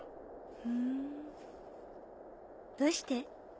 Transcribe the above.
ふんどうして？